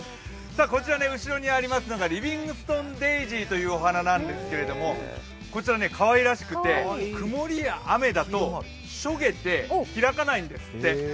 こちら後ろにありますのがリビングストンデイジーというお花なんですけれどもこちらかわいらしくて、曇りや雨だとしょげて開かないんですって。